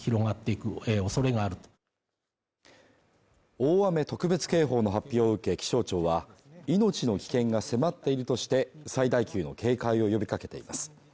大雨特別警報の発表を受け気象庁は命の危険が迫っているとして最大級の警戒を呼びかけています。